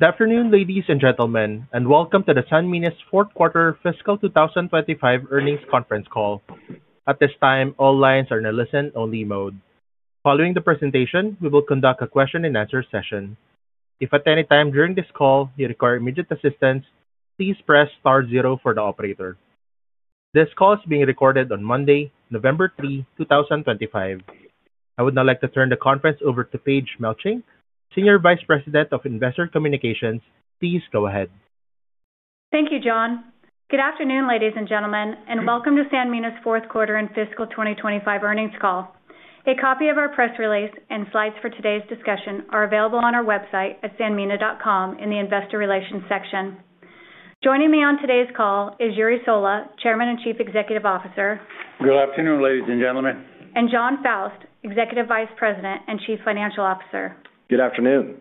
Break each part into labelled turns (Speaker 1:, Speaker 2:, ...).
Speaker 1: Good afternoon, ladies and gentlemen, and welcome to Sanmina's fourth quarter fiscal 2025 earnings conference call. At this time, all lines are in a listen-only mode. Following the presentation, we will conduct a question-and-answer session. If at any time during this call you require immediate assistance, please press star zero for the operator. This call is being recorded on Monday, November 3, 2025. I would now like to turn the conference over to Paige Melching, Senior Vice President of Investor Communications. Please go ahead.
Speaker 2: Thank you, Jon. Good afternoon, ladies and gentlemen, and welcome to Sanmina's fourth quarter and fiscal 2025 earnings call. A copy of our press release and slides for today's discussion are available on our website at sanmina.com in the Investor Relations section. Joining me on today's call is Jure Sola, Chairman and Chief Executive Officer.
Speaker 3: Good afternoon, ladies and gentlemen.
Speaker 2: Jon Faust, Executive Vice President and Chief Financial Officer.
Speaker 4: Good afternoon.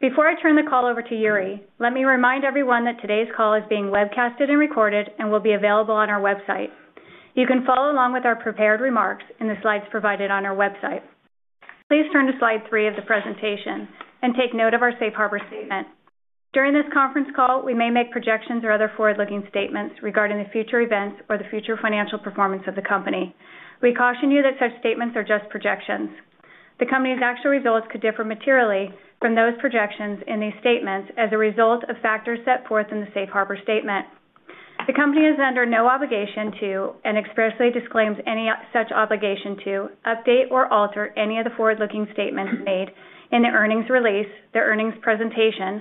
Speaker 2: Before I turn the call over to Jure, let me remind everyone that today's call is being webcast and recorded and will be available on our website. You can follow along with our prepared remarks in the slides provided on our website. Please turn to slide three of the presentation and take note of our safe harbor statement. During this conference call, we may make projections or other forward-looking statements regarding future events or the future financial performance of the company. We caution you that such statements are just projections. The company's actual results could differ materially from those projections in these statements as a result of factors set forth in the safe harbor statement. The company is under no obligation to, and expressly disclaims any such obligation to, update or alter any of the forward-looking statements made in the earnings release, the earnings presentation,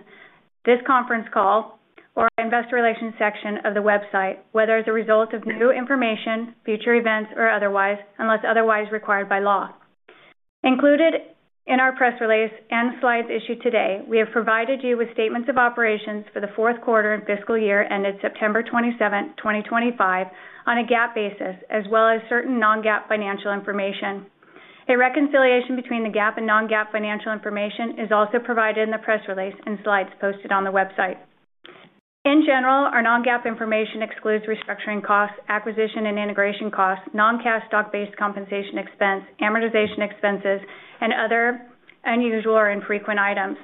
Speaker 2: this conference call, or investor relations section of the website, whether as a result of new information, future events, or otherwise, unless otherwise required by law. Included in our press release and slides issued today, we have provided you with statements of operations for the fourth quarter and fiscal year ended September 27, 2025, on a GAAP basis, as well as certain non-GAAP financial information. A reconciliation between the GAAP and non-GAAP financial information is also provided in the press release and slides posted on the website. In general, our non-GAAP information excludes restructuring costs, acquisition and integration costs, non-cash stock-based compensation expense, amortization expenses, and other unusual or infrequent items.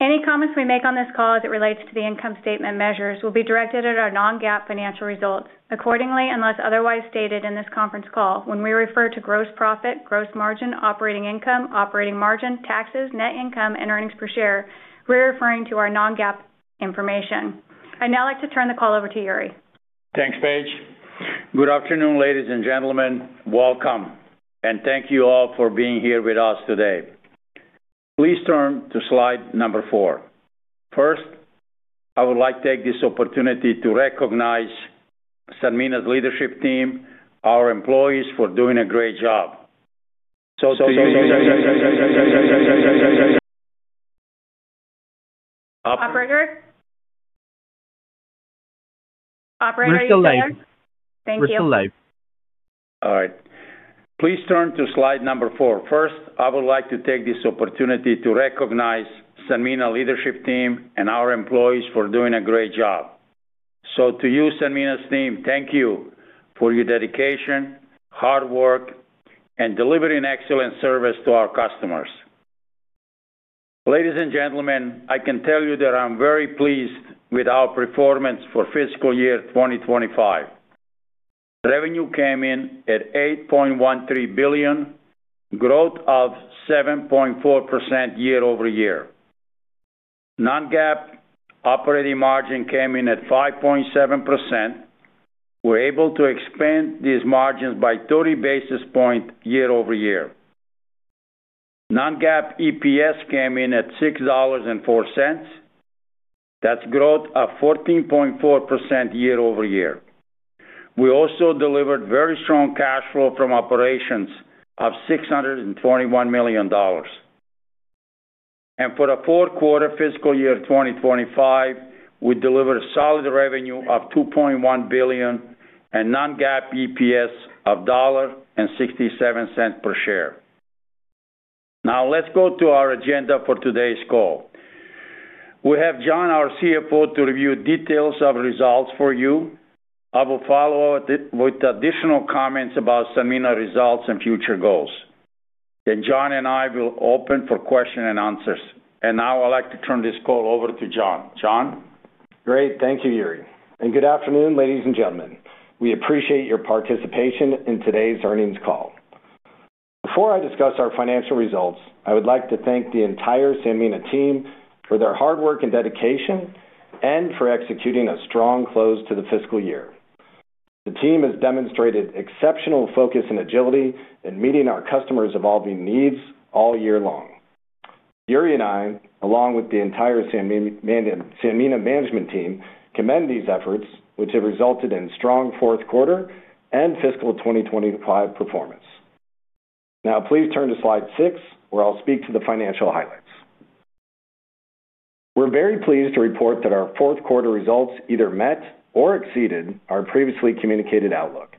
Speaker 2: Any comments we make on this call as it relates to the income statement measures will be directed at our non-GAAP financial results. Accordingly, unless otherwise stated in this conference call, when we refer to gross profit, gross margin, operating income, operating margin, taxes, net income, and earnings per share, we're referring to our non-GAAP information. I'd now like to turn the call over to Jure.
Speaker 3: Thanks, Paige. Good afternoon, ladies and gentlemen. Welcome, and thank you all for being here with us today. Please turn to slide number four. First, I would like to take this opportunity to recognize Sanmina's leadership team, our employees, for doing a great job.
Speaker 2: Operator. Operator.
Speaker 1: We're still live.
Speaker 2: Thank you.
Speaker 1: We're still live.
Speaker 3: All right. Please turn to slide number four. First, I would like to take this opportunity to recognize Sanmina leadership team and our employees for doing a great job. So, to you, Sanmina's team, thank you for your dedication, hard work, and delivering excellent service to our customers. Ladies and gentlemen, I can tell you that I'm very pleased with our performance for fiscal year 2025. Revenue came in at $8.13 billion, growth of 7.4% year-over-year. Non-GAAP operating margin came in at 5.7%. We're able to expand these margins by 30 basis points year-over-year. Non-GAAP EPS came in at $6.04. That's growth of 14.4% year-over-year. We also delivered very strong cash flow from operations of $621 million. For the fourth quarter fiscal year 2025, we delivered solid revenue of $2.1 billion and Non-GAAP EPS of $1.67 per share. Now, let's go to our agenda for today's call. We have Jon, our CFO, to review details of results for you. I will follow up with additional comments about Sanmina results and future goals. Jon and I will open for questions and answers. Now I'd like to turn this call over to Jon. Jon.
Speaker 4: Great. Thank you, Jure. Good afternoon, ladies and gentlemen. We appreciate your participation in today's earnings call. Before I discuss our financial results, I would like to thank the entire Sanmina team for their hard work and dedication and for executing a strong close to the fiscal year. The team has demonstrated exceptional focus and agility in meeting our customers' evolving needs all year long. Jure and I, along with the entire Sanmina management team, commend these efforts, which have resulted in strong fourth quarter and fiscal 2025 performance. Now, please turn to slide six, where I'll speak to the financial highlights. We're very pleased to report that our fourth quarter results either met or exceeded our previously communicated outlook.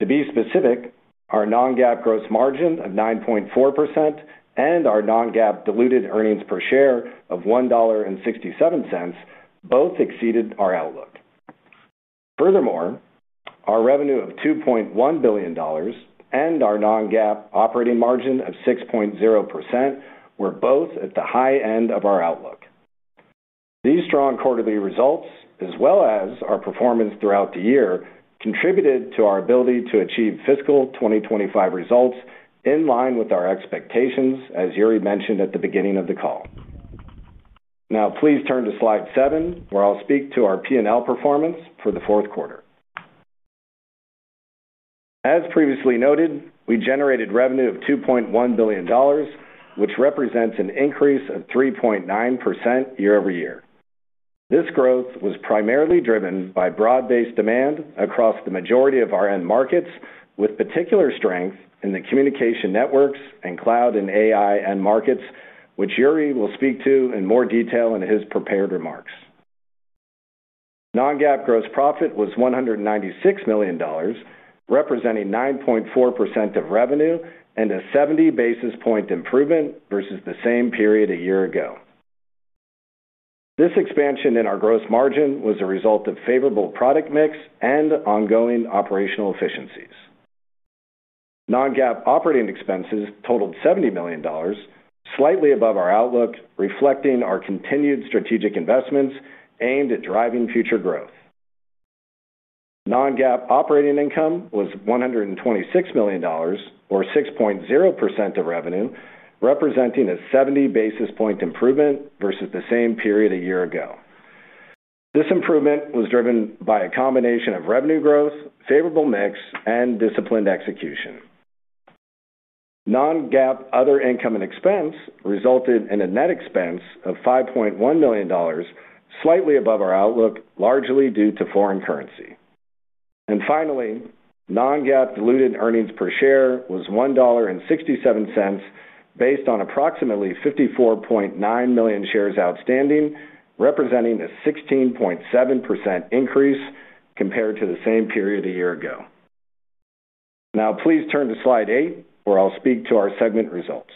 Speaker 4: To be specific, our non-GAAP gross margin of 9.4% and our non-GAAP diluted earnings per share of $1.67 both exceeded our outlook. Furthermore, our revenue of $2.1 billion and our non-GAAP operating margin of 6.0% were both at the high end of our outlook. These strong quarterly results, as well as our performance throughout the year, contributed to our ability to achieve fiscal 2025 results in line with our expectations, as Jure mentioned at the beginning of the call. Now, please turn to slide seven, where I'll speak to our P&L performance for the fourth quarter. As previously noted, we generated revenue of $2.1 billion, which represents an increase of 3.9% year-over-year. This growth was primarily driven by broad-based demand across the majority of our end markets, with particular strength in the communication networks and cloud and AI end markets, which Jure will speak to in more detail in his prepared remarks. Non-GAAP gross profit was $196 million, representing 9.4% of revenue and a 70 basis point improvement versus the same period a year ago. This expansion in our gross margin was a result of favorable product mix and ongoing operational efficiencies. Non-GAAP operating expenses totaled $70 million, slightly above our outlook, reflecting our continued strategic investments aimed at driving future growth. Non-GAAP operating income was $126 million, or 6.0% of revenue, representing a 70 basis point improvement versus the same period a year ago. This improvement was driven by a combination of revenue growth, favorable mix, and disciplined execution. Non-GAAP other income and expense resulted in a net expense of $5.1 million, slightly above our outlook, largely due to foreign currency. Finally, non-GAAP diluted earnings per share was $1.67, based on approximately 54.9 million shares outstanding, representing a 16.7% increase compared to the same period a year ago. Now, please turn to slide eight, where I'll speak to our segment results.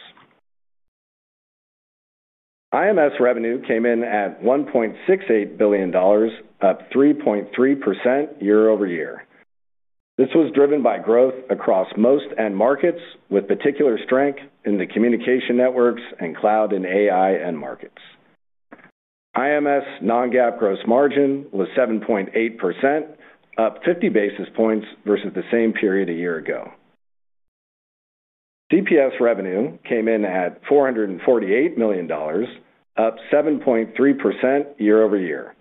Speaker 4: IMS revenue came in at $1.68 billion, up 3.3% year-over-year. This was driven by growth across most end markets, with particular strength in the communication networks and cloud and AI end markets. IMS non-GAAP gross margin was 7.8%, up 50 basis points versus the same period a year ago. CPS revenue came in at $448 million, up 7.3% year-over-year.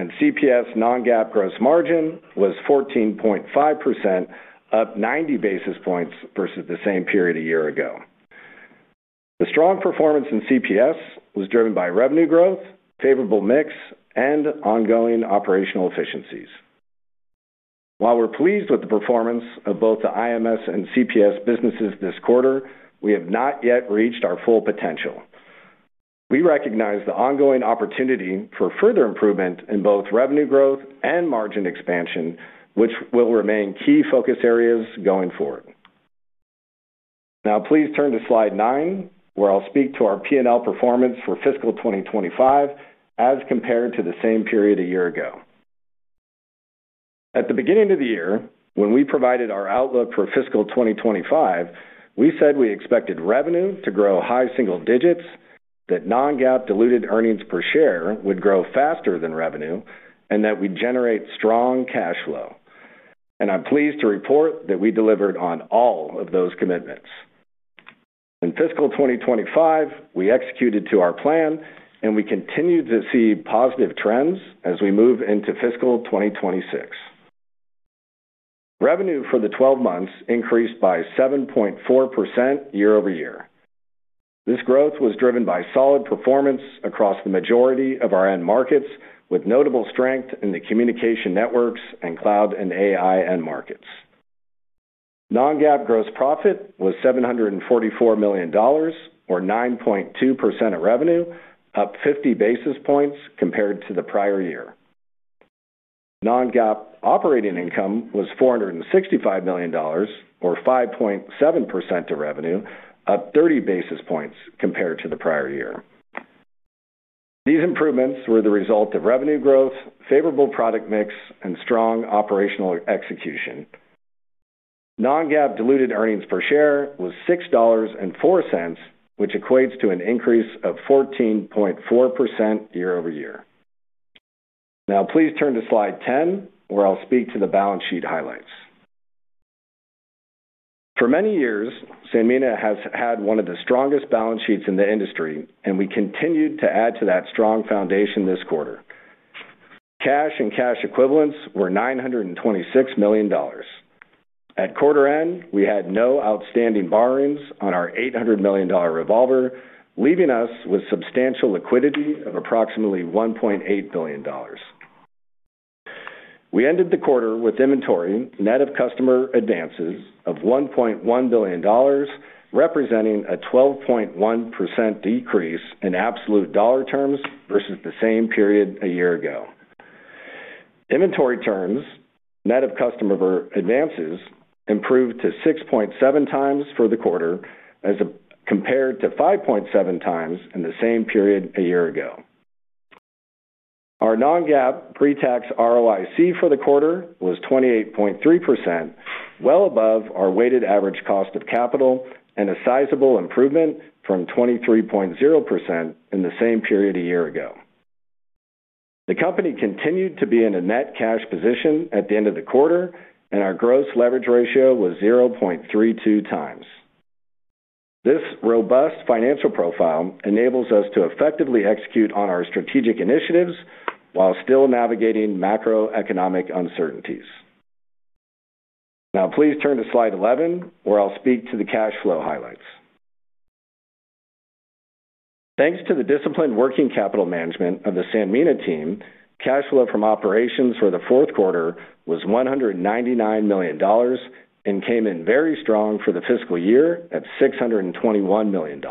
Speaker 4: CPS non-GAAP gross margin was 14.5%, up 90 basis points versus the same period a year ago. The strong performance in CPS was driven by revenue growth, favorable mix, and ongoing operational efficiencies. While we're pleased with the performance of both the IMS and CPS businesses this quarter, we have not yet reached our full potential. We recognize the ongoing opportunity for further improvement in both revenue growth and margin expansion, which will remain key focus areas going forward. Now, please turn to slide nine, where I'll speak to our P&L performance for fiscal 2025 as compared to the same period a year ago. At the beginning of the year, when we provided our outlook for fiscal 2025, we said we expected revenue to grow high single digits, that non-GAAP diluted earnings per share would grow faster than revenue, and that we'd generate strong cash flow. I'm pleased to report that we delivered on all of those commitments. In fiscal 2025, we executed to our plan, and we continued to see positive trends as we move into fiscal 2026. Revenue for the 12 months increased by 7.4% year-over-year. This growth was driven by solid performance across the majority of our end markets, with notable strength in the communication networks and cloud and AI end markets. Non-GAAP gross profit was $744 million, or 9.2% of revenue, up 50 basis points compared to the prior year. Non-GAAP operating income was $465 million, or 5.7% of revenue, up 30 basis points compared to the prior year. These improvements were the result of revenue growth, favorable product mix, and strong operational execution. Non-GAAP diluted earnings per share was $6.04, which equates to an increase of 14.4% year-over-year. Now, please turn to slide 10, where I'll speak to the balance sheet highlights. For many years, Sanmina has had one of the strongest balance sheets in the industry, and we continued to add to that strong foundation this quarter. Cash and cash equivalents were $926 million. At quarter end, we had no outstanding borrowings on our $800 million revolver, leaving us with substantial liquidity of approximately $1.8 billion. We ended the quarter with inventory net of customer advances of $1.1 billion, representing a 12.1% decrease in absolute dollar terms versus the same period a year ago. Inventory turns net of customer advances improved to 6.7 times for the quarter as compared to 5.7 times in the same period a year ago. Our non-GAAP pre-tax ROIC for the quarter was 28.3%, well above our weighted average cost of capital and a sizable improvement from 23.0% in the same period a year ago. The company continued to be in a net cash position at the end of the quarter, and our gross leverage ratio was 0.32 times. This robust financial profile enables us to effectively execute on our strategic initiatives while still navigating macroeconomic uncertainties. Now, please turn to slide 11, where I'll speak to the cash flow highlights. Thanks to the disciplined working capital management of the Sanmina team, cash flow from operations for the fourth quarter was $199 million. It came in very strong for the fiscal year at $621 million.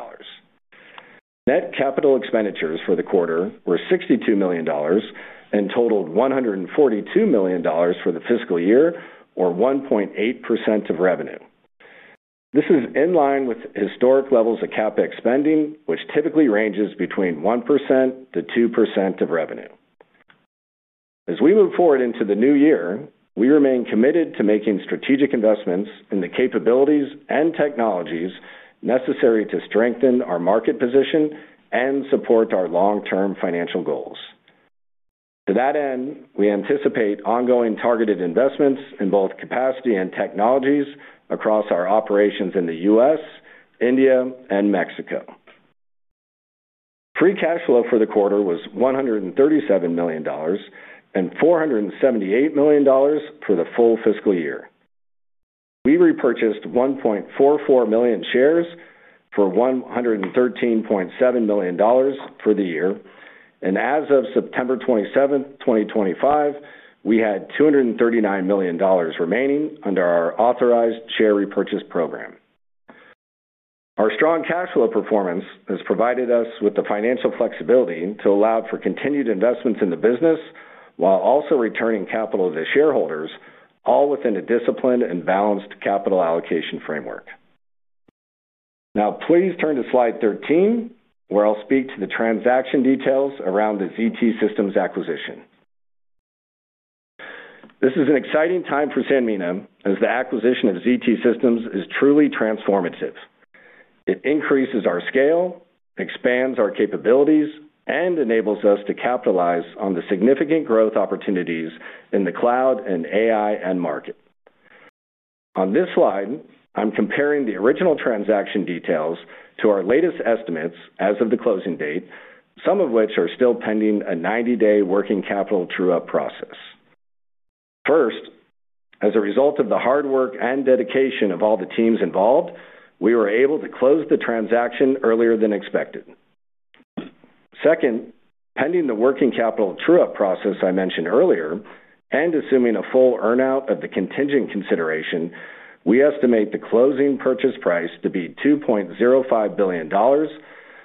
Speaker 4: Net capital expenditures for the quarter were $62 million and totaled $142 million for the fiscal year, or 1.8% of revenue. This is in line with historic levels of CapEx spending, which typically ranges between 1%-2% of revenue. As we move forward into the new year, we remain committed to making strategic investments in the capabilities and technologies necessary to strengthen our market position and support our long-term financial goals. To that end, we anticipate ongoing targeted investments in both capacity and technologies across our operations in the U.S., India, and Mexico. Free cash flow for the quarter was $137 million and $478 million for the full fiscal year. We repurchased 1.44 million shares for $113.7 million for the year, and as of September 27, 2025, we had $239 million remaining under our authorized share repurchase program. Our strong cash flow performance has provided us with the financial flexibility to allow for continued investments in the business while also returning capital to shareholders, all within a disciplined and balanced capital allocation framework. Now, please turn to slide 13, where I'll speak to the transaction details around the ZT Systems acquisition. This is an exciting time for Sanmina as the acquisition of ZT Systems is truly transformative. It increases our scale, expands our capabilities, and enables us to capitalize on the significant growth opportunities in the cloud and AI end market. On this slide, I'm comparing the original transaction details to our latest estimates as of the closing date, some of which are still pending a 90-day working capital true-up process. First, as a result of the hard work and dedication of all the teams involved, we were able to close the transaction earlier than expected. Second, pending the working capital true-up process I mentioned earlier, and assuming a full earnout of the contingent consideration, we estimate the closing purchase price to be $2.05 billion,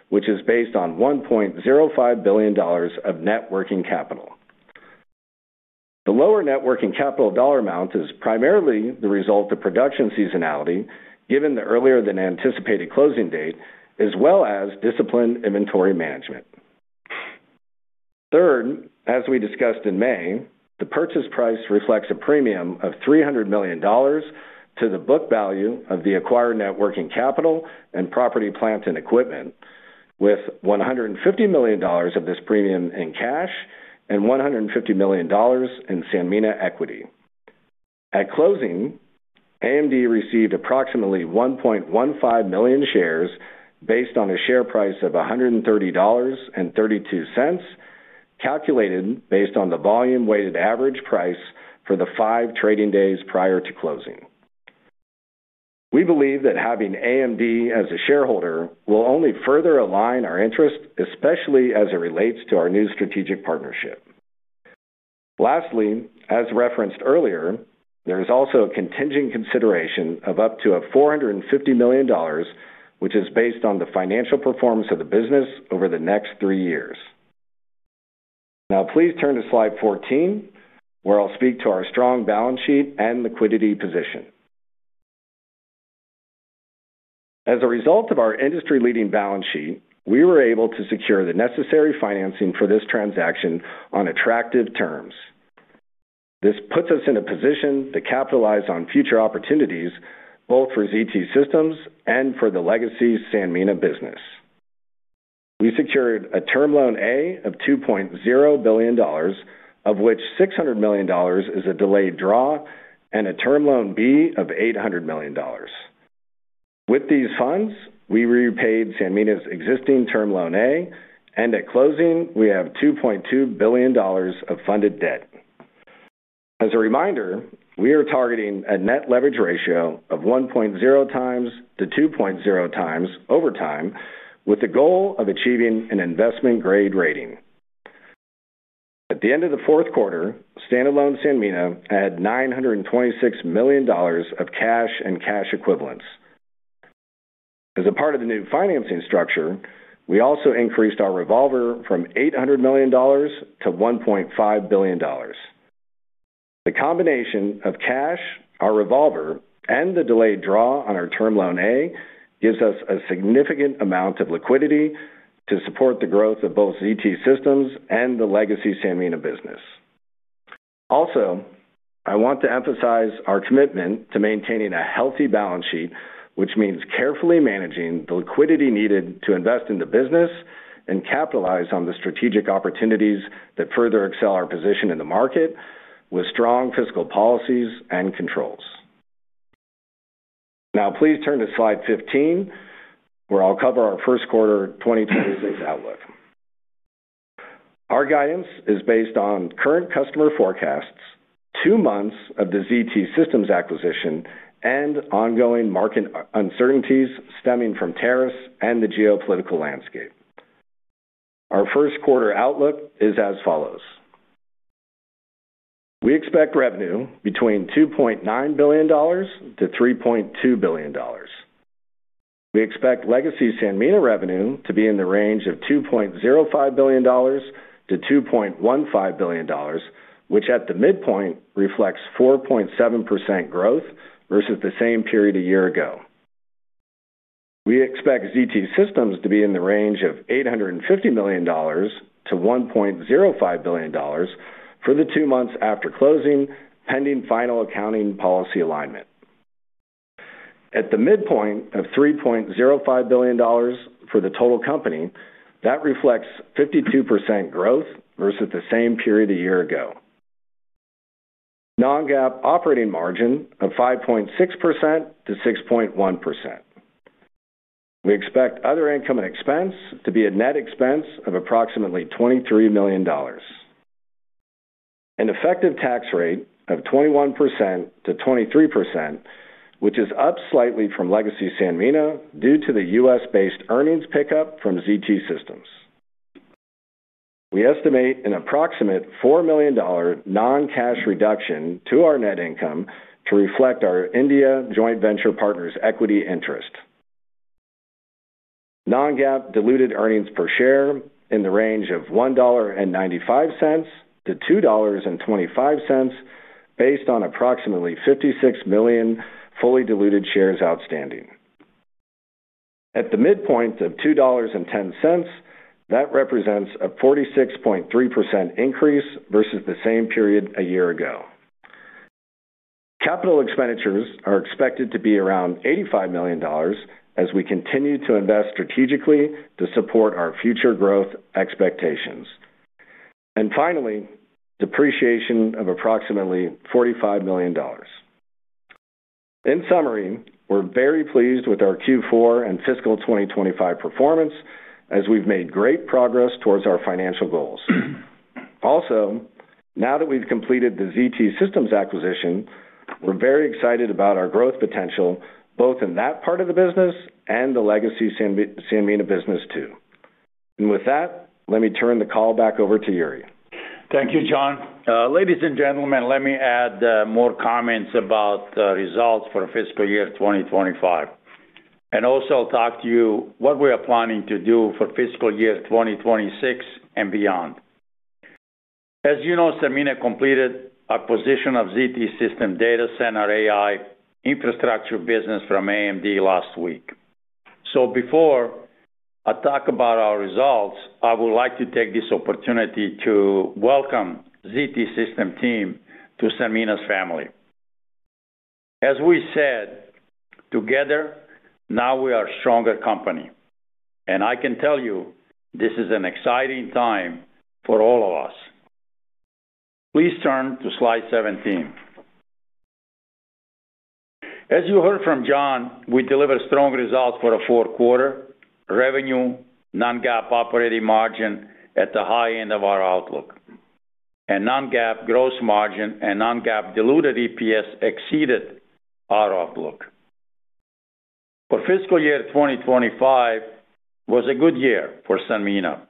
Speaker 4: which is based on $1.05 billion of net working capital. The lower net working capital dollar amount is primarily the result of production seasonality, given the earlier than anticipated closing date, as well as disciplined inventory management. Third, as we discussed in May, the purchase price reflects a premium of $300 million to the book value of the acquired net working capital and property, plant, and equipment, with $150 million of this premium in cash and $150 million in Sanmina equity. At closing, AMD received approximately 1.15 million shares based on a share price of $130.32, calculated based on the volume-weighted average price for the five trading days prior to closing. We believe that having AMD as a shareholder will only further align our interest, especially as it relates to our new strategic partnership. Lastly, as referenced earlier, there is also a contingent consideration of up to $450 million, which is based on the financial performance of the business over the next three years. Now, please turn to slide 14, where I'll speak to our strong balance sheet and liquidity position. As a result of our industry-leading balance sheet, we were able to secure the necessary financing for this transaction on attractive terms. This puts us in a position to capitalize on future opportunities, both for ZT Systems and for the legacy Sanmina business. We secured a term loan A of $2.0 billion, of which $600 million is a delayed draw, and a term loan B of $800 million. With these funds, we repaid Sanmina's existing term loan A, and at closing, we have $2.2 billion of funded debt. As a reminder, we are targeting a net leverage ratio of 1.0 times-2.0 times over time, with the goal of achieving an investment-grade rating. At the end of the fourth quarter, standalone Sanmina had $926 million of cash and cash equivalents. As a part of the new financing structure, we also increased our revolver from $800 million to $1.5 billion. The combination of cash, our revolver, and the delayed draw on our term loan A gives us a significant amount of liquidity to support the growth of both ZT Systems and the legacy Sanmina business. Also, I want to emphasize our commitment to maintaining a healthy balance sheet, which means carefully managing the liquidity needed to invest in the business and capitalize on the strategic opportunities that further excel our position in the market with strong fiscal policies and controls. Now, please turn to slide 15. Where I'll cover our first quarter 2026 outlook. Our guidance is based on current customer forecasts, two months of the ZT Systems acquisition, and ongoing market uncertainties stemming from tariffs and the geopolitical landscape. Our first quarter outlook is as follows. We expect revenue between $2.9 billion-$3.2 billion. We expect legacy Sanmina revenue to be in the range of $2.05 billion-$2.15 billion, which at the midpoint reflects 4.7% growth versus the same period a year ago. We expect ZT Systems to be in the range of $850 million-$1.05 billion for the two months after closing, pending final accounting policy alignment. At the midpoint of $3.05 billion for the total company, that reflects 52% growth versus the same period a year ago. Non-GAAP operating margin of 5.6%-6.1%. We expect other income and expense to be a net expense of approximately $23 million. An effective tax rate of 21%-23%, which is up slightly from legacy Sanmina due to the U.S.-based earnings pickup from ZT Systems. We estimate an approximate $4 million non-cash reduction to our net income to reflect our India joint venture partner's equity interest. Non-GAAP diluted earnings per share in the range of $1.95-$2.25. Based on approximately 56 million fully diluted shares outstanding. At the midpoint of $2.10, that represents a 46.3% increase versus the same period a year ago. Capital expenditures are expected to be around $85 million as we continue to invest strategically to support our future growth expectations. Finally, depreciation of approximately $45 million. In summary, we're very pleased with our Q4 and fiscal 2025 performance as we've made great progress towards our financial goals. Also, now that we've completed the ZT Systems acquisition, we're very excited about our growth potential both in that part of the business and the legacy Sanmina business too. With that, let me turn the call back over to Jure.
Speaker 3: Thank you, Jon. Ladies and gentlemen, let me add more comments about the results for fiscal year 2025. I will also talk to you about what we are planning to do for fiscal year 2026 and beyond. As you know, Sanmina completed acquisition of ZT Systems Data Center AI Infrastructure Business from AMD last week. Before I talk about our results, I would like to take this opportunity to welcome the ZT Systems team to Sanmina's family. As we said, together, now we are a stronger company. I can tell you, this is an exciting time for all of us. Please turn to slide 17. As you heard from Jon, we delivered strong results for the fourth quarter: revenue, non-GAAP operating margin at the high end of our outlook. Non-GAAP gross margin and non-GAAP diluted EPS exceeded our outlook. For fiscal year 2025, it was a good year for Sanmina.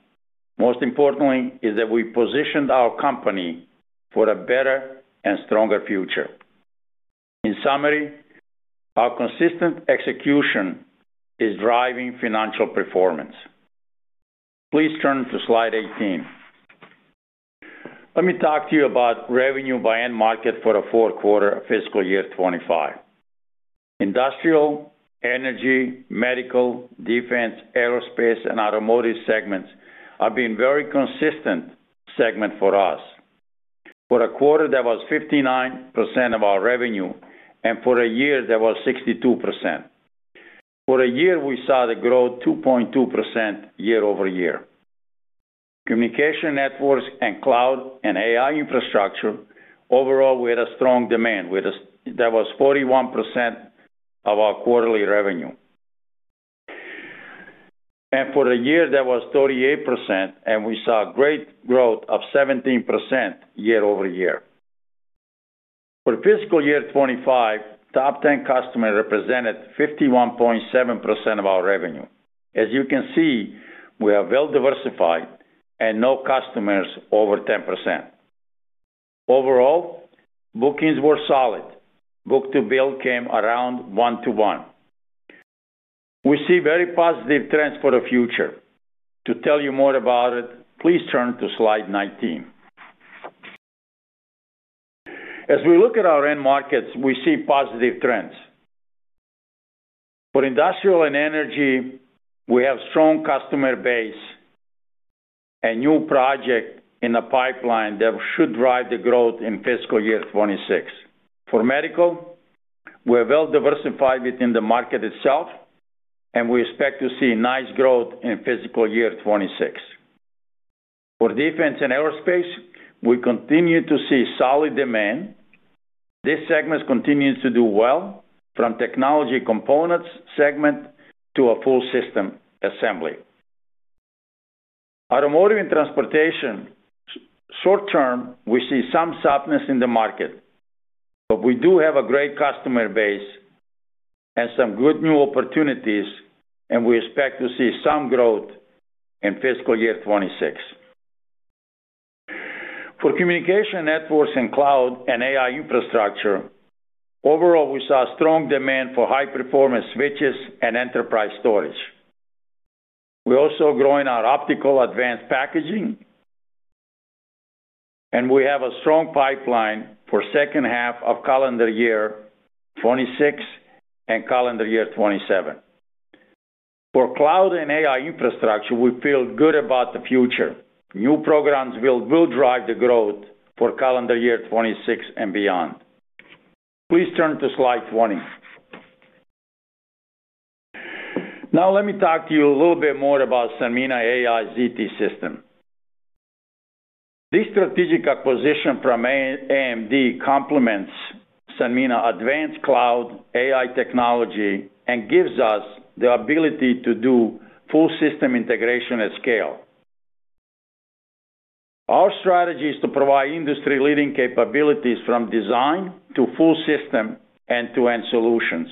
Speaker 3: Most importantly, we positioned our company for a better and stronger future. In summary, our consistent execution is driving financial performance. Please turn to slide 18. Let me talk to you about revenue by end market for the fourth quarter of fiscal year 2025. Industrial, energy, medical, defense, aerospace, and automotive segments have been very consistent segments for us. For the quarter, that was 59% of our revenue and for the year that was 62%. For the year, we saw growth of 2.2% year-over-year. Communication networks and cloud and AI infrastructure, overall, we had strong demand. That was 41% of our quarterly revenue. For the year, that was 38%, and we saw great growth of 17% year-over-year. For fiscal year 2025, top 10 customers represented 51.7% of our revenue. As you can see, we are well diversified and no customers over 10%. Overall, bookings were solid, book-to-bill came around one to one. We see very positive trends for the future. To tell you more about it, please turn to slide 19. As we look at our end markets, we see positive trends. For industrial and energy, we have a strong customer base. A new project in the pipeline should drive growth in fiscal year 2026. For medical, we are well diversified within the market itself, and we expect to see nice growth in fiscal year 2026. For defense and aerospace, we continue to see solid demand. This segment continues to do well, from technology components segment to a full system assembly. Automotive and transportation. Short-term, we see some softness in the market. We do have a great customer base and some good new opportunities, and we expect to see some growth in fiscal year 2026. For communication networks and cloud and AI infrastructure, overall, we saw strong demand for high-performance switches and enterprise storage. We are also growing our optical advanced packaging, and we have a strong pipeline for the second half of calendar year 2026 and calendar year 2027. For cloud and AI infrastructure, we feel good about the future. New programs will drive the growth for calendar year 2026 and beyond. Please turn to slide 20. Now, let me talk to you a little bit more about Sanmina AI ZT Systems. This strategic acquisition from AMD complements Sanmina Advanced Cloud AI technology and gives us the ability to do full system integration at scale. Our strategy is to provide industry-leading capabilities from design to full system end-to-end solutions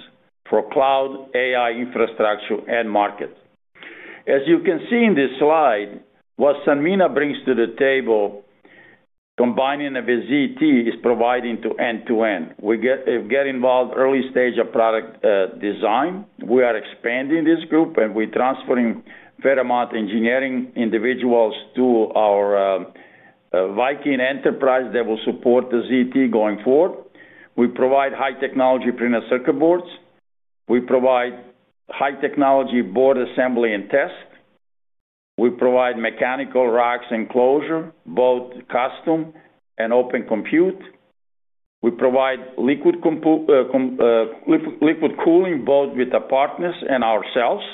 Speaker 3: for cloud AI infrastructure and market. As you can see in this slide, what Sanmina brings to the table. Combining with ZT is providing to end-to-end. We get involved in early stage of product design. We are expanding this group, and we are transferring a fair amount of engineering individuals to our Viking Enterprise that will support the ZT going forward. We provide high-technology printed circuit boards. We provide high-technology board assembly and test. We provide mechanical racks enclosure, both custom and Open Compute. We provide liquid cooling both with our partners and ourselves.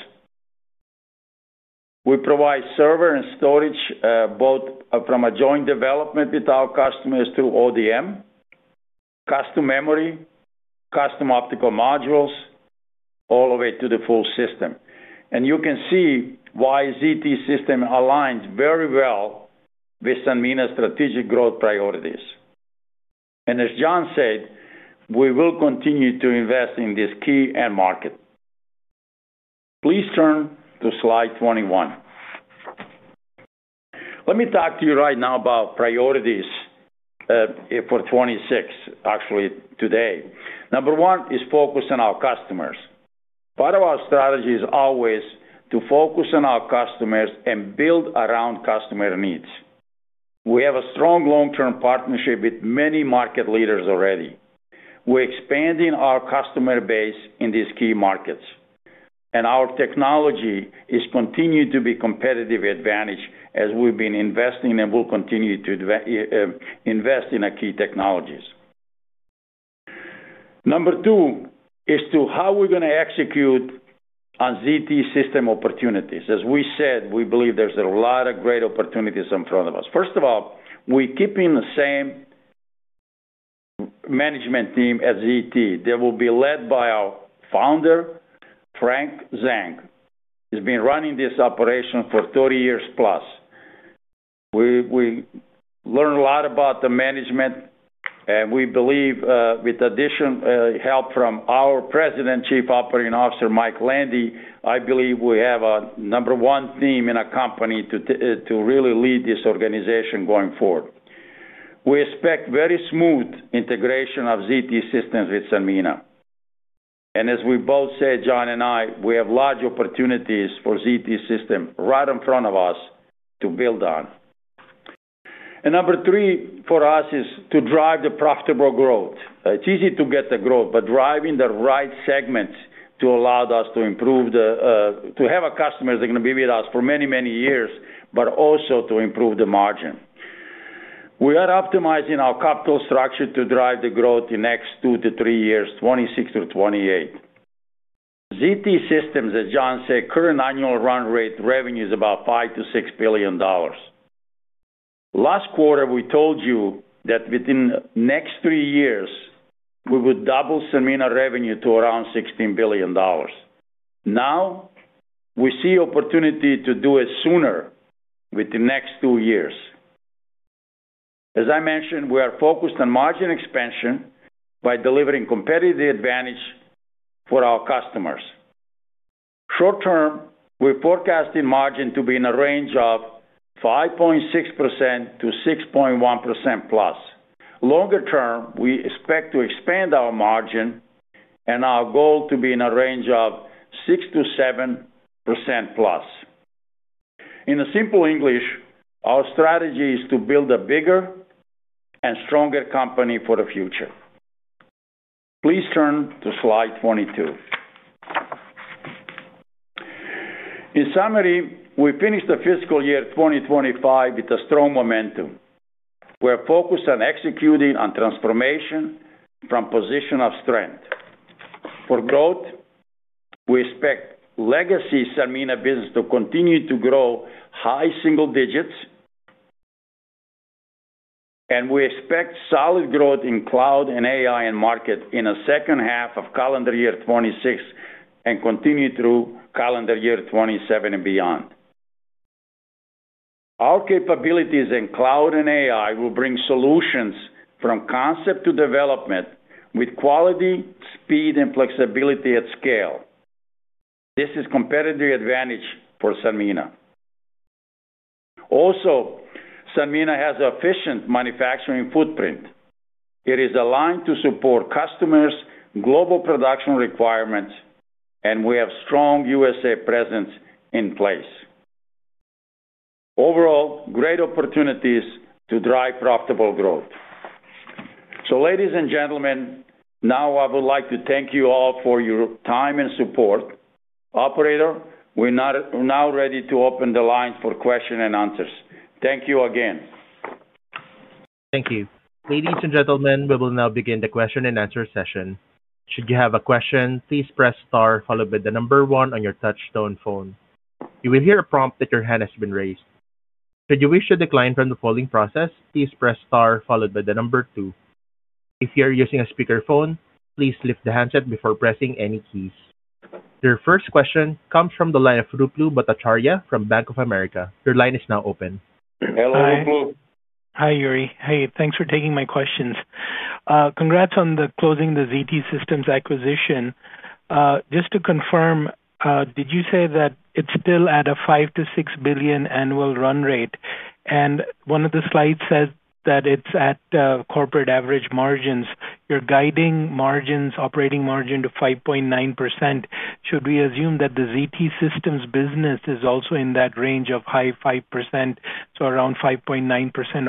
Speaker 3: We provide server and storage both from a joint development with our customers through ODM. Custom memory, custom optical modules, all the way to the full system. You can see why ZT Systems aligns very well with Sanmina's strategic growth priorities. As Jon said, we will continue to invest in this key end market. Please turn to slide 21. Let me talk to you right now about priorities for 2026, actually today. Number one is focus on our customers. Part of our strategy is always to focus on our customers and build around customer needs. We have a strong long-term partnership with many market leaders already. We are expanding our customer base in these key markets, and our technology is continuing to be a competitive advantage as we have been investing and will continue to invest in key technologies. Number two is how we are going to execute on ZT Systems opportunities. As we said, we believe there is a lot of great opportunities in front of us. First of all, we are keeping the same management team at ZT that will be led by our founder, Frank Zhang. He has been running this operation for 30 years plus. We learned a lot about the management. We believe with additional help from our President, Chief Operating Officer Mike Landy, we have a number one theme in a company to really lead this organization going forward. We expect very smooth integration of ZT Systems with Sanmina. As we both said, Jon and I, we have large opportunities for ZT Systems right in front of us to build on. Number three for us is to drive the profitable growth. It is easy to get the growth, but driving the right segments allows us to improve the—to have customers that are going to be with us for many, many years, but also to improve the margin. We are optimizing our capital structure to drive the growth in the next two to three years, 2026 through 2028. ZT Systems, as Jon said, current annual run rate revenue is about $5 billion-$6 billion. Last quarter, we told you that within the next three years, we would double Sanmina revenue to around $16 billion. Now we see the opportunity to do it sooner within the next two years. As I mentioned, we are focused on margin expansion by delivering competitive advantage for our customers. Short term, we are forecasting margin to be in the range of 5.6%-6.1% plus. Longer term, we expect to expand our margin and our goal to be in the range of 6%-7% plus. In simple English, our strategy is to build a bigger and stronger company for the future. Please turn to slide 22. In summary, we finished the fiscal year 2025 with strong momentum. We are focused on executing on transformation from a position of strength. For growth, we expect legacy Sanmina business to continue to grow high single digits. We expect solid growth in cloud and AI and market in the second half of calendar year 2026 and continue through calendar year 2027 and beyond. Our capabilities in cloud and AI will bring solutions from concept to development with quality, speed, and flexibility at scale. This is a competitive advantage for Sanmina. Also, Sanmina has an efficient manufacturing footprint. It is aligned to support customers' global production requirements, and we have a strong U.S.A. presence in place. Overall, great opportunities to drive profitable growth. Ladies and gentlemen, now I would like to thank you all for your time and support. Operator, we are now ready to open the lines for questions and answers. Thank you again.
Speaker 1: Thank you. Ladies and gentlemen, we will now begin the question and answer session. Should you have a question, please press star followed by the number one on your touchstone phone. You will hear a prompt that your hand has been raised. Should you wish to decline from the following process, please press star followed by the number two. If you are using a speakerphone, please lift the handset before pressing any keys. Your first question comes from the line of Ruplu Bhattacharya from Bank of America. Your line is now open.
Speaker 3: Hello, Ruplu.
Speaker 5: Hi, Jure. Hey, thanks for taking my questions. Congrats on closing the ZT Systems acquisition. Just to confirm, did you say that it's still at a $5 billion-$6 billion annual run rate? And one of the slides says that it's at corporate average margins. You're guiding margins, operating margin to 5.9%. Should we assume that the ZT Systems business is also in that range of high 5%, so around 5.9%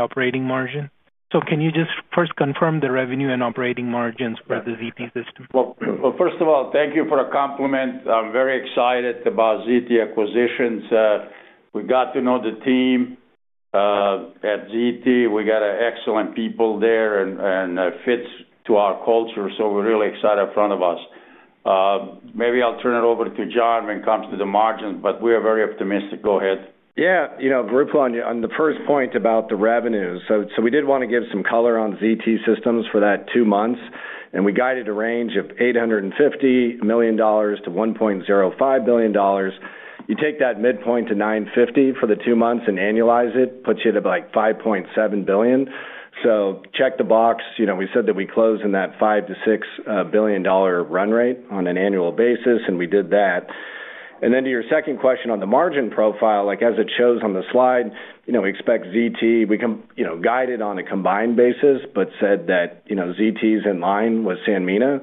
Speaker 5: operating margin? So can you just first confirm the revenue and operating margins for the ZT Systems?
Speaker 3: Thank you for the compliment. I'm very excited about ZT acquisitions. We got to know the team. At ZT, we got excellent people there and fit to our culture, so we're really excited in front of us. Maybe I'll turn it over to Jon when it comes to the margins, but we are very optimistic. Go ahead.
Speaker 4: Yeah. Ruplu, on the first point about the revenues, we did want to give some color on ZT Systems for that two months. And we guided a range of $850 million-$1.05 billion. You take that midpoint to $950 million for the two months and annualize it, puts you at about $5.7 billion. Check the box. We said that we close in that $5 billion-$6 billion run rate on an annual basis, and we did that. To your second question on the margin profile, as it shows on the slide, we expect ZT—we guided on a combined basis but said that ZT is in line with Sanmina.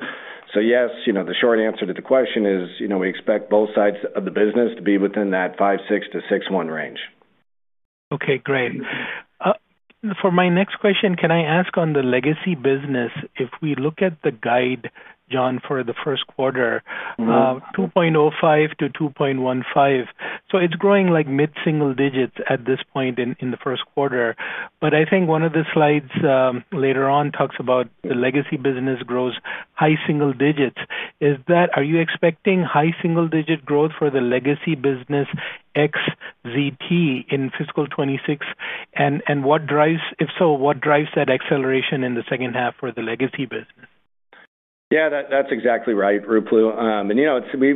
Speaker 4: Yes, the short answer to the question is we expect both sides of the business to be within that 5.6%-6.1% range.
Speaker 5: Okay. Great. For my next question, can I ask on the legacy business? If we look at the guide, Jon, for the first quarter. $2.05 billion-$2.15 billion. It's growing like mid-single digits at this point in the first quarter. I think one of the slides later on talks about the legacy business grows high single digits. Are you expecting high single-digit growth for the legacy business, XZT in fiscal 2026? If so, what drives that acceleration in the second half for the legacy business?
Speaker 4: Yeah. That's exactly right, Ruplu.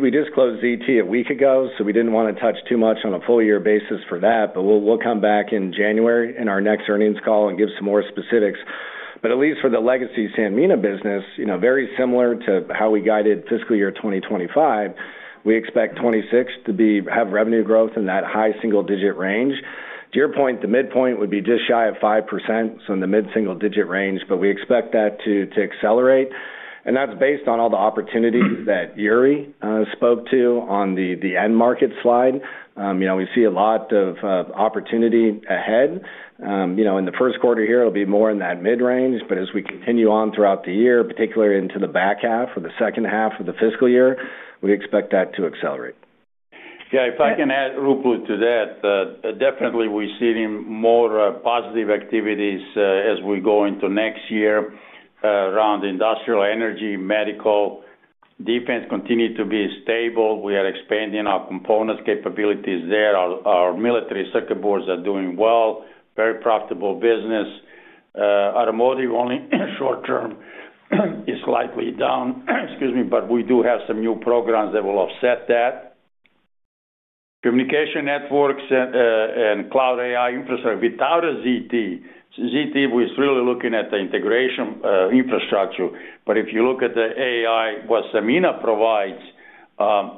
Speaker 4: We just closed ZT a week ago, so we didn't want to touch too much on a full-year basis for that. We'll come back in January in our next earnings call and give some more specifics. At least for the legacy Sanmina business, very similar to how we guided fiscal year 2025, we expect 2026 to have revenue growth in that high single-digit range. To your point, the midpoint would be just shy of 5%, so in the mid-single-digit range. We expect that to accelerate. That's based on all the opportunities that Jure spoke to on the end market slide. We see a lot of opportunity ahead. In the first quarter here, it'll be more in that mid-range. But as we continue on throughout the year, particularly into the back half or the second half of the fiscal year, we expect that to accelerate.
Speaker 3: Yeah. If I can add, Ruplu, to that, definitely we're seeing more positive activities as we go into next year. Around industrial energy, medical. Defense continues to be stable. We are expanding our component capabilities there. Our military circuit boards are doing well. Very profitable business. Automotive only short-term is slightly down. Excuse me. But we do have some new programs that will offset that. Communication networks and cloud AI infrastructure without a ZT. ZT, we're really looking at the integration infrastructure. But if you look at the AI, what Sanmina provides,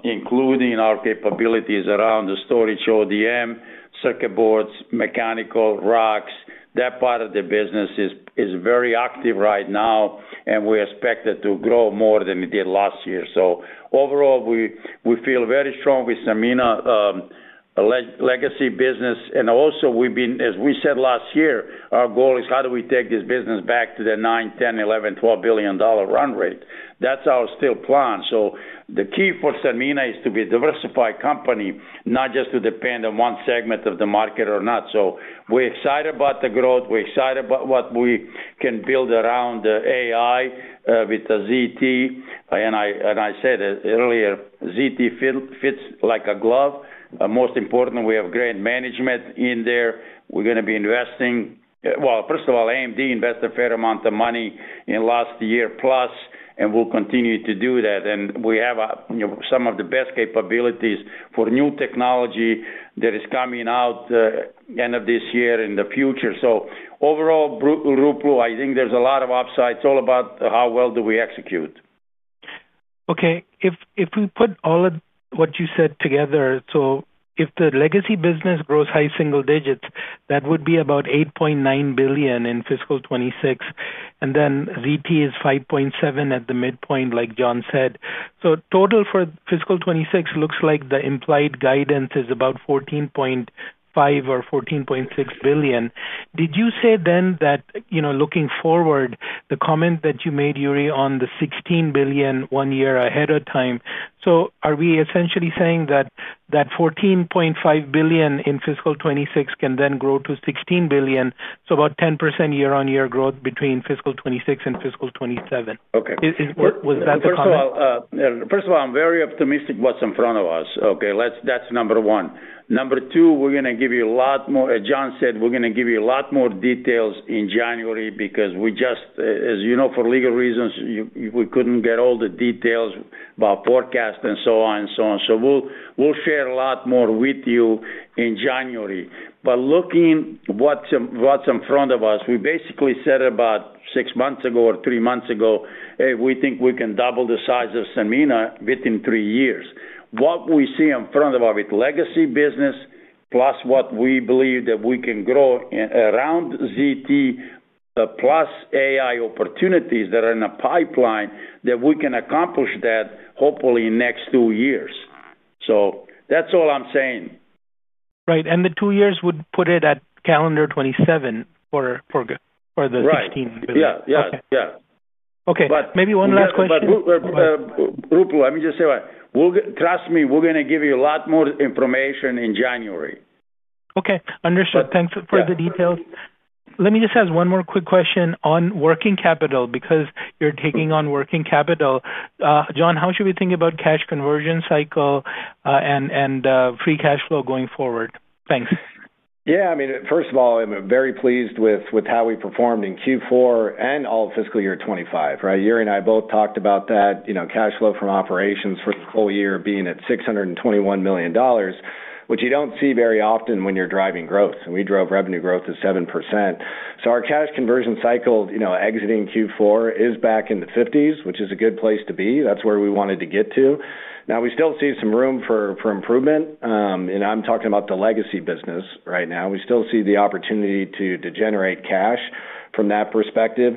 Speaker 3: including our capabilities around the storage, ODM, circuit boards, mechanical, racks, that part of the business is very active right now. And we expect it to grow more than it did last year. So overall, we feel very strong with Sanmina, legacy business. And also, as we said last year, our goal is how do we take this business back to the $9, $10, $11, $12 billion run rate. That's our still plan. So the key for Sanmina is to be a diversified company, not just to depend on one segment of the market or not. So we're excited about the growth. We're excited about what we can build around AI with the ZT. And I said earlier, ZT fits like a glove. Most important, we have great management in there. We're going to be investing. First of all, AMD invested a fair amount of money in last year plus, and we'll continue to do that. And we have some of the best capabilities for new technology that is coming out. End of this year and the future. So overall, Ruplu, I think there's a lot of upside. It's all about how well do we execute.
Speaker 5: Okay. If we put all of what you said together, so if the legacy business grows high single digits, that would be about $8.9 billion in fiscal 2026. And then ZT is 5.7 at the midpoint, like Jon said. So total for fiscal 2026 looks like the implied guidance is about $14.5 or $14.6 billion. Did you say then that looking forward, the comment that you made, Jure, on the $16 billion one year ahead of time, so are we essentially saying that $14.5 billion in fiscal 2026 can then grow to $16 billion, so about 10% year-on-year growth between fiscal 2026 and fiscal 2027? Was that the comment?
Speaker 3: First of all, I'm very optimistic about what's in front of us. Okay. That's number one. Number two, we're going to give you a lot more—Jon said we're going to give you a lot more details in January because we just, as you know, for legal reasons, we couldn't get all the details about forecast and so on and so on. We'll share a lot more with you in January. Looking at what's in front of us, we basically said about six months ago or three months ago, we think we can double the size of Sanmina within three years. What we see in front of our legacy business, plus what we believe that we can grow around ZT, plus AI opportunities that are in the pipeline, we can accomplish that hopefully in the next two years. That's all I'm saying.
Speaker 5: The two years would put it at calendar 2027 for the $16 billion.
Speaker 3: Yeah. Yeah. Yeah.
Speaker 5: Okay. Maybe one last question.
Speaker 3: Ruplu, let me just say, trust me, we're going to give you a lot more information in January.
Speaker 5: Okay. Understood. Thanks for the details. Let me just ask one more quick question on working capital because you're taking on working capital. Jon, how should we think about cash conversion cycle and free cash flow going forward? Thanks.
Speaker 4: I mean, first of all, I'm very pleased with how we performed in Q4 and all of fiscal year 2025. Right? Jure and I both talked about that cash flow from operations for the full year being at $621 million, which you don't see very often when you're driving growth. We drove revenue growth to 7%. Our cash conversion cycle exiting Q4 is back in the 50s, which is a good place to be. That's where we wanted to get to. We still see some room for improvement. I'm talking about the legacy business right now. We still see the opportunity to generate cash from that perspective.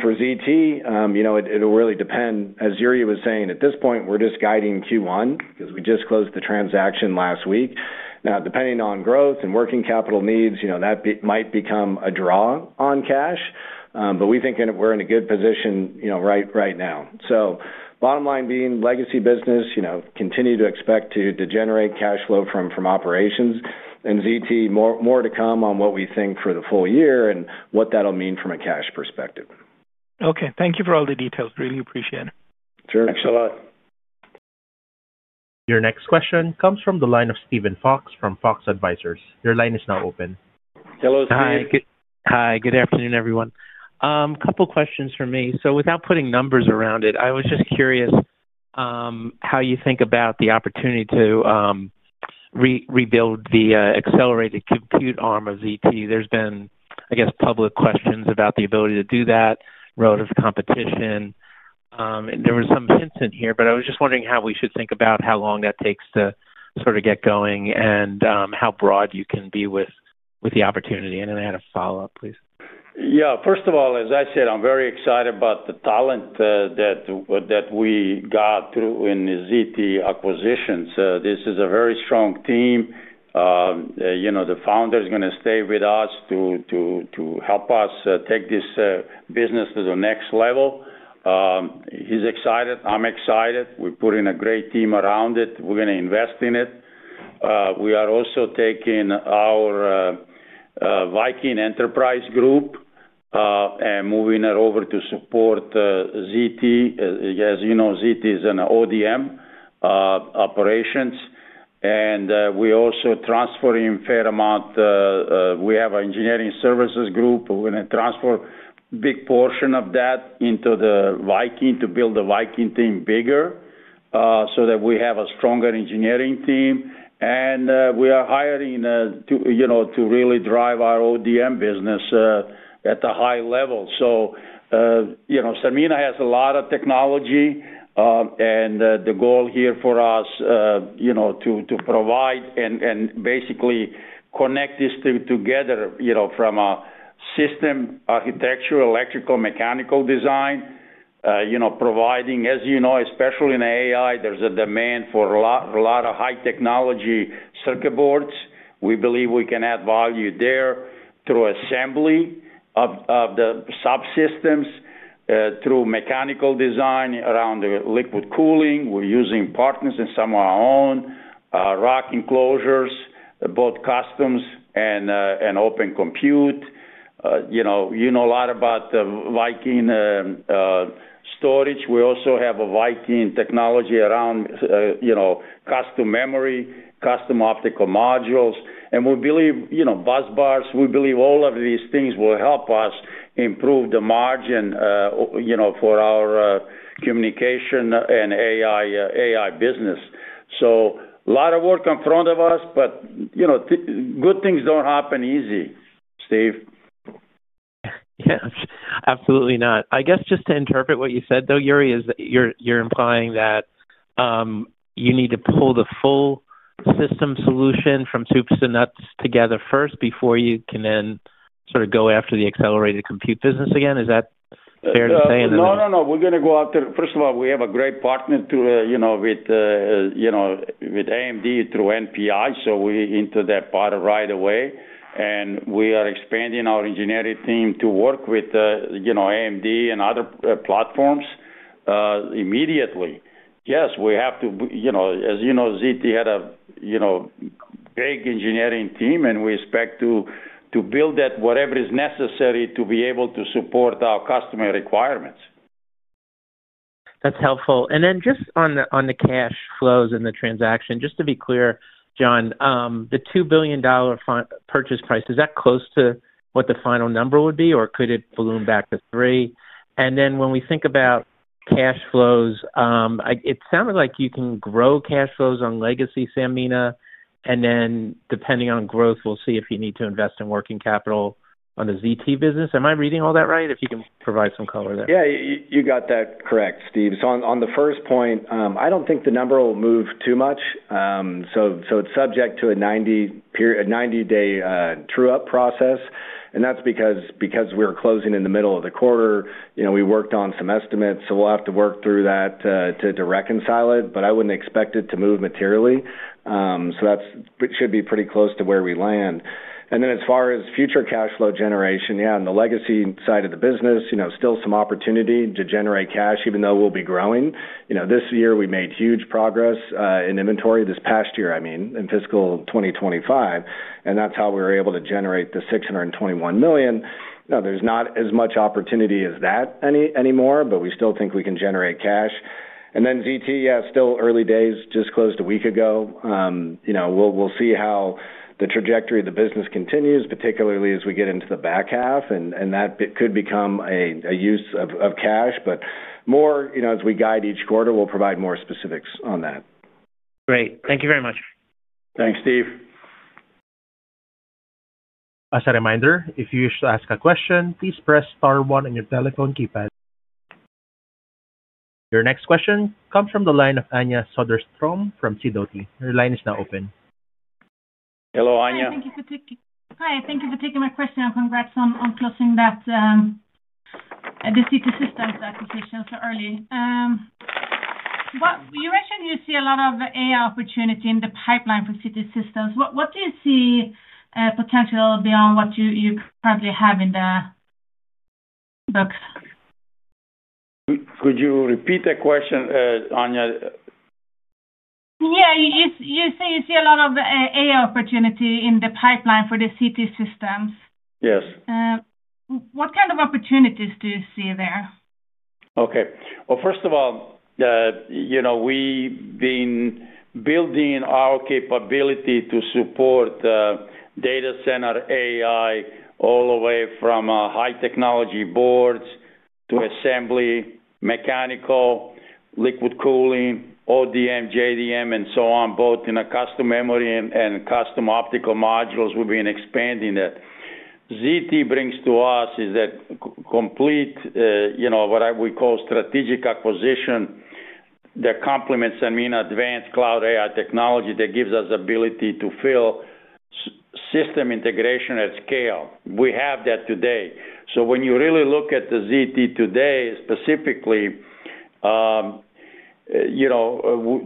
Speaker 4: For ZT, it'll really depend. As Jure was saying, at this point, we're just guiding Q1 because we just closed the transaction last week. Depending on growth and working capital needs, that might become a draw on cash. We think we're in a good position right now. Bottom line being legacy business, continue to expect to generate cash flow from operations. ZT, more to come on what we think for the full year and what that'll mean from a cash perspective.
Speaker 5: Okay. Thank you for all the details. Really appreciate it.
Speaker 3: Thanks a lot.
Speaker 1: Your next question comes from the line of Steven Fox from Fox Advisors. Your line is now open.
Speaker 3: Hello, Steve.
Speaker 6: Hi. Good afternoon, everyone. A couple of questions for me. Without putting numbers around it, I was just curious how you think about the opportunity to rebuild the accelerated compute arm of ZT. There's been, I guess, public questions about the ability to do that relative to competition. There was some hints in here, but I was just wondering how we should think about how long that takes to sort of get going and how broad you can be with the opportunity. I had a follow-up, please.
Speaker 3: Yeah. First of all, as I said, I'm very excited about the talent that. We got through in the ZT acquisitions. This is a very strong team. The founder is going to stay with us too. Help us take this business to the next level. He's excited. I'm excited. We're putting a great team around it. We're going to invest in it. We are also taking our Viking Enterprise Group and moving it over to support ZT. As you know, ZT is an ODM. Operations. And we're also transferring a fair amount. We have an engineering services group. We're going to transfer a big portion of that into the Viking to build the Viking team bigger so that we have a stronger engineering team. And we are hiring to really drive our ODM business at a high level. Sanmina has a lot of technology. The goal here for us is to provide and basically connect this together from a system, architecture, electrical, mechanical design. Providing, as you know, especially in AI, there's a demand for a lot of high-tech technology circuit boards. We believe we can add value there through assembly of the subsystems, through mechanical design around the liquid cooling. We're using partners and some of our own. Rack enclosures, both customs and Open Compute. You know a lot about Viking Storage. We also have a Viking technology around custom memory, custom optical modules. And we believe busbars. We believe all of these things will help us improve the margin for our communication and AI business. A lot of work in front of us, but good things don't happen easy, Steve.
Speaker 6: Yeah. Absolutely not. I guess just to interpret what you said, though, Jure, is that you're implying that you need to pull the full system solution from soup to nuts together first before you can then sort of go after the accelerated compute business again. Is that fair to say?
Speaker 3: No, no, no. We're going to go after—first of all, we have a great partner with AMD through NPI. We entered that part right away. We are expanding our engineering team to work with AMD and other platforms immediately. Yes. We have to—as you know, ZT had a big engineering team, and we expect to build that, whatever is necessary to be able to support our customer requirements.
Speaker 6: That's helpful. And then just on the cash flows and the transaction, just to be clear, Jon, the $2 billion purchase price, is that close to what the final number would be, or could it balloon back to $3 billion? When we think about cash flows, it sounded like you can grow cash flows on legacy Sanmina. Depending on growth, we'll see if you need to invest in working capital on the ZT business. Am I reading all that right? If you can provide some color there.
Speaker 4: Yeah. You got that correct, Steve. On the first point, I don't think the number will move too much. It's subject to a 90-day true-up process. That is because we are closing in the middle of the quarter. We worked on some estimates, so we will have to work through that to reconcile it. I would not expect it to move materially. That should be pretty close to where we land. As far as future cash flow generation, on the legacy side of the business, still some opportunity to generate cash, even though we will be growing. This year, we made huge progress in inventory—this past year, I mean—in fiscal 2025. That is how we were able to generate the $621 million. There is not as much opportunity as that anymore, but we still think we can generate cash. ZT, still early days, just closed a week ago. We will see how the trajectory of the business continues, particularly as we get into the back half. That could become a use of cash. As we guide each quarter, we will provide more specifics on that.
Speaker 6: Great. Thank you very much.
Speaker 3: Thanks, Steve.
Speaker 1: As a reminder, if you wish to ask a question, please press star one on your telephone keypad. Your next question comes from the line of Anja Soderstrom from Sidoti. Her line is now open.
Speaker 3: Hello, Anja.
Speaker 7: Hi. Thank you for taking my question and congrats on closing that. The ZT Systems acquisition so early. You mentioned you see a lot of AI opportunity in the pipeline for ZT Systems. What do you see potential beyond what you currently have in the books?
Speaker 3: Could you repeat that question, Anja?
Speaker 7: Yeah. You say you see a lot of AI opportunity in the pipeline for the ZT Systems. Yes. What kind of opportunities do you see there?
Speaker 3: First of all, we have been building our capability to support data center AI all the way from high-technology boards to assembly, mechanical, liquid cooling, ODM, JDM, and so on, both in custom memory and custom optical modules. We have been expanding that. What ZT brings to us is that complete, what we call strategic acquisition, that complements Sanmina Advanced Cloud AI technology that gives us the ability to fill system integration at scale. We have that today. When you really look at ZT today specifically, there are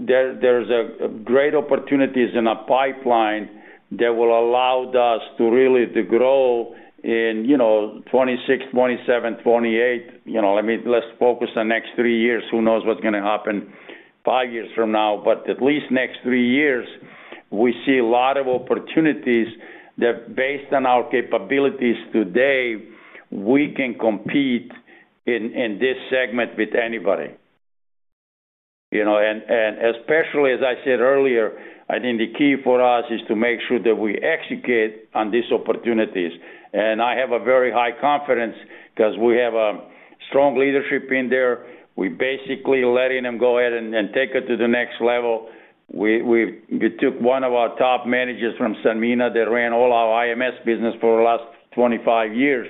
Speaker 3: great opportunities in a pipeline that will allow us to really grow in 2026, 2027, 2028. Let us focus on the next three years. Who knows what is going to happen five years from now? At least next three years, we see a lot of opportunities that, based on our capabilities today, we can compete in this segment with anybody. Especially, as I said earlier, I think the key for us is to make sure that we execute on these opportunities. I have very high confidence because we have strong leadership in there. We are basically letting them go ahead and take it to the next level. We took one of our top managers from Sanmina that ran all our IMS business for the last 25 years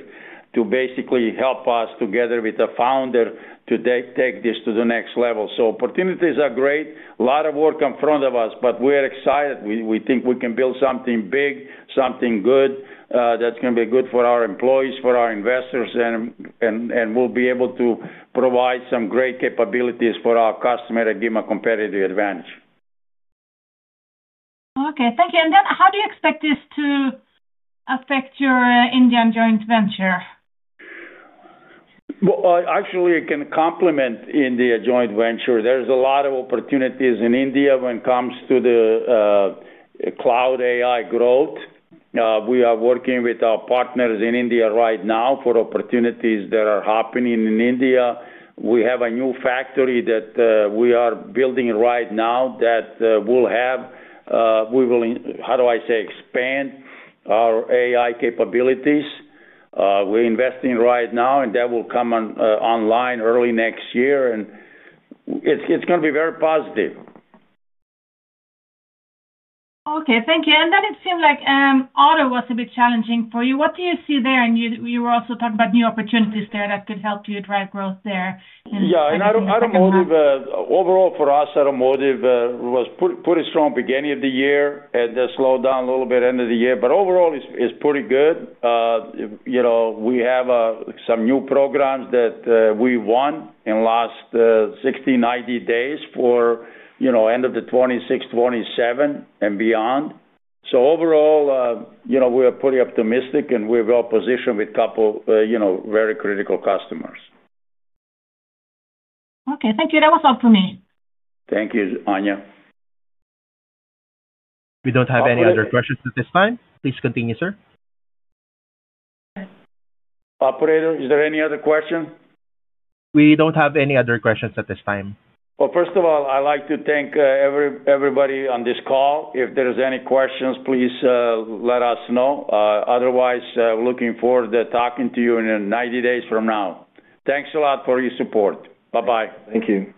Speaker 3: to basically help us together with the founder to take this to the next level. Opportunities are great. A lot of work in front of us, but we're excited. We think we can build something big, something good that's going to be good for our employees, for our investors, and we'll be able to provide some great capabilities for our customer and give them a competitive advantage.
Speaker 7: Thank you. And then how do you expect this to affect your Indian joint venture?
Speaker 3: Actually, it can complement India joint venture. There's a lot of opportunities in India when it comes to the cloud AI growth. We are working with our partners in India right now for opportunities that are happening in India. We have a new factory that we are building right now that we'll have. We will, how do I say, expand our AI capabilities. We're investing right now, and that will come online early next year. It's going to be very positive.
Speaker 7: Thank you. And then it seemed like auto was a bit challenging for you. What do you see there? And you were also talking about new opportunities there that could help you drive growth there.
Speaker 3: Yeah. And automotive overall for us, automotive was pretty strong beginning of the year and slowed down a little bit end of the year. But overall, it's pretty good. We have some new programs that we won in the last 60-90 days for end of the 2026, 2027, and beyond. Overall, we are pretty optimistic, and we're well positioned with a couple of very critical customers.
Speaker 7: Thank you. That was all for me.
Speaker 3: Thank you, Anja.
Speaker 1: We don't have any other questions at this time. Please continue, sir.
Speaker 3: Operator, is there any other question?
Speaker 1: We don't have any other questions at this time.
Speaker 3: First of all, I'd like to thank everybody on this call. If there are any questions, please let us know. Otherwise, looking forward to talking to you in 90 days from now. Thanks a lot for your support. Bye-bye.
Speaker 4: Thank you.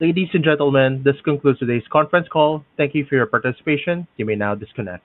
Speaker 1: Ladies and gentlemen, this concludes today's conference call. Thank you for your participation. You may now disconnect.